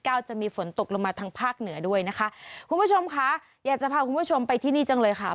จะมีฝนตกลงมาทางภาคเหนือด้วยนะคะคุณผู้ชมค่ะอยากจะพาคุณผู้ชมไปที่นี่จังเลยค่ะ